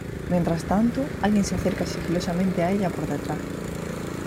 Mientras tanto, alguien se acerca sigilosamente a ella por detrás.